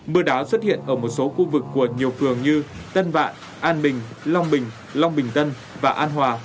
mưa đá xuất hiện ở một số khu vực của nhiều phường như tân vạn an bình long bình long bình tân và an hòa